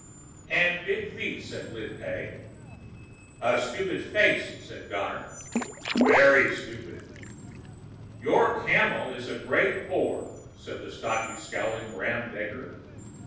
"And big feet," said Lin Pey. "A stupid face," said Donner. "Very stupid." "Your camel is a great bore," said the stocky, scowling Bram Daker.